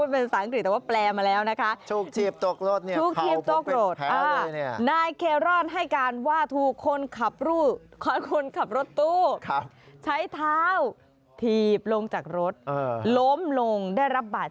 ประมาณนั้นแหละ